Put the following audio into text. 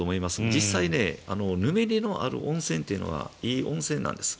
実際にぬめりのある温泉というのはいい温泉なんです。